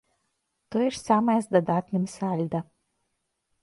Тое ж самае з дадатным сальда.